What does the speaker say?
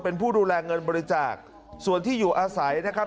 เป็นผู้ดูแลเงินบริจาคส่วนที่อยู่อาศัยนะครับ